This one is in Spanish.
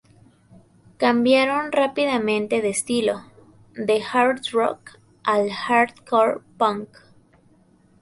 Cambiaron rápidamente de estilo, de Hard rock al hardcore punk.